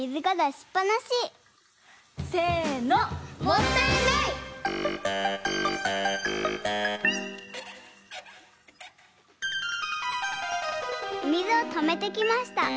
おみずをとめてきました。